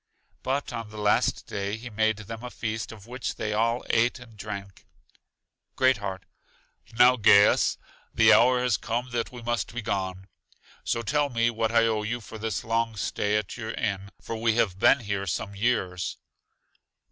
But on the last day he made them a feast, of which they all ate and drank. Great heart: Now, Gaius, the hour has come that we must be gone; so tell me what I owe you for this long stay at your inn, for we have been here some years.